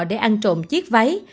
để ăn trộm chiếc váy